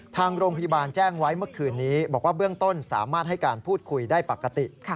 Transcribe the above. ทางโรงพยาบาลแจ้งไว้เมื่อคืนนี้บอกว่าเบื้องต้นสามารถให้การพูดคุยได้ปกติ